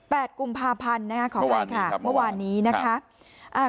แปดกุมภาพันธ์นะคะเมื่อวานนี้นะคะ